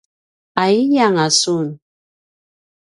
’ay’ianga sun?